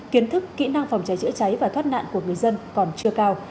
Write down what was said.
kiến thức kỹ năng phòng cháy chữa cháy và thoát nạn của người dân còn chưa cao